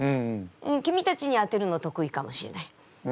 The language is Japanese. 君たちに当てるの得意かもしれない。